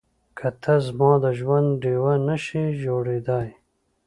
که ته زما د ژوند ډيوه نه شې جوړېدای.